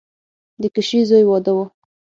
د کشري زوی واده و.